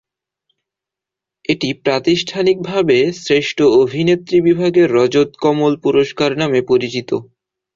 এটি প্রাতিষ্ঠানিকভাবে শ্রেষ্ঠ অভিনেত্রী বিভাগে রজত কমল পুরস্কার নামে পরিচিত।